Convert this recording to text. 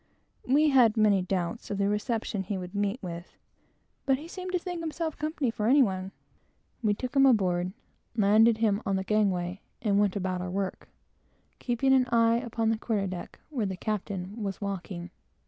We had many doubts of the reception he would meet with; but he seemed to think himself company for any one. We took him aboard, landed him at the gangway, and went about our work, keeping an eye upon the quarter deck, where the captain was walking.